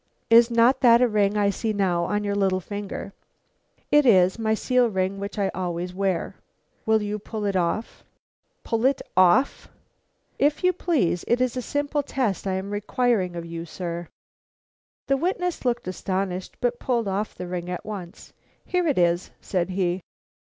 "Is not that a ring I see now on your little finger?" "It is; my seal ring which I always wear." "Will you pull it off?" "Pull it off!" "If you please; it is a simple test I am requiring of you, sir." The witness looked astonished, but pulled off the ring at once. "Here it is," said he.